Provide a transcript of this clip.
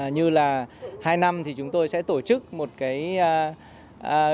như là hai năm chúng tôi sẽ tổ chức một kỳ lễ hội